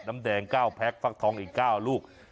น้ำแดง๙แพ็คฟักทองอีก๙ลูก